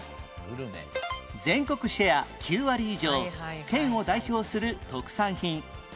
全国シェア９割以上県を代表する特産品